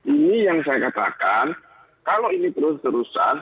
ini yang saya katakan kalau ini terus terusan